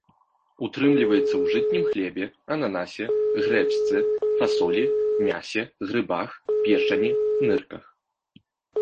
Утрымліваецца ў жытнім хлебе, ананасе, грэчцы, фасолі, мясе, грыбах, печані, нырках.